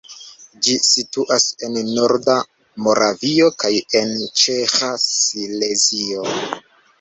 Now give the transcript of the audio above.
Ĝi situas en norda Moravio kaj en ĉeĥa Silezio.